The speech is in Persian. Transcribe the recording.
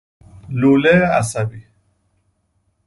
لوله عصبی